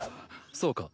そうか。